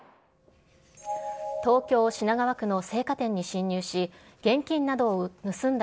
東京・品川区の青果店に侵入し、現金などを盗んだ